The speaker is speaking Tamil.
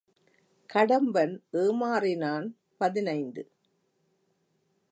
கடம்பன் ஏமாறினான் பதினைந்து.